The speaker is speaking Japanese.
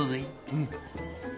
うん。